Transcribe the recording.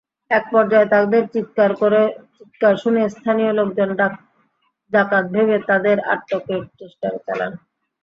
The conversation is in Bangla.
একপর্যায়ে তাঁদের চিৎকার শুনে স্থানীয় লোকজন ডাকাত ভেবে তাঁদের আটকের চেষ্টা চালান।